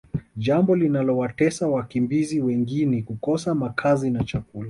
jambo linalowatesa wakimbizi wengini kukosa makazi na chakula